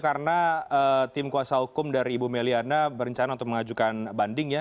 karena tim kuasa hukum dari ibu meliana berencana untuk mengajukan banding ya